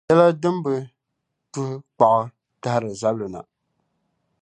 Yɛla din bi tuhi kpaɣa tahiri zabili na.